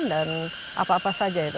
apa apa saja itu